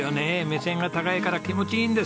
目線が高いから気持ちいいんです。